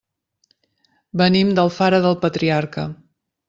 Venim d'Alfara del Patriarca.